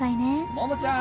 桃ちゃーん。